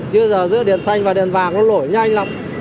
nhưng giờ giữa đèn xanh và đèn vàng nó lỗi nhanh lắm